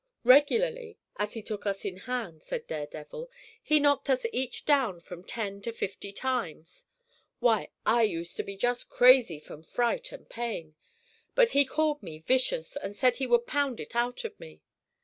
"Regularly, as he took us in hand," said Daredevil, "he knocked us each down from ten to fifty times. Why, I used to be just crazy from fright and pain, but he called me vicious, and said he would pound it out of me.